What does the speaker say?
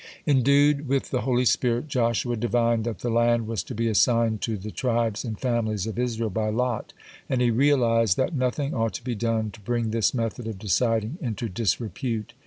Endued with the holy spirit, Joshua divined that the land was to be assigned to the tribes and families of Israel by lot, and he realized that nothing ought to be done to bring this method of deciding into disrepute.